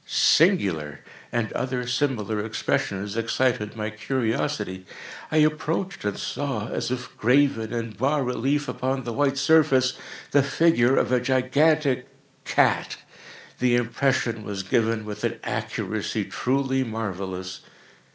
"singular!" and other similar expressions, excited my curiosity. I approached and saw, as if graven in bas relief upon the white surface, the figure of a gigantic cat. The impression was given with an accuracy truly marvellous.